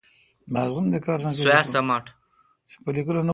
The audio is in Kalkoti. سوا سمٹ